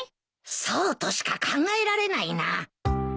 そうとしか考えられないな。